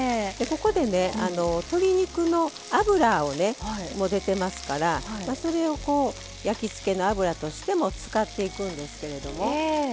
ここで鶏肉の脂も出てますからそれを焼き付けの油としても使っていくんですけれども。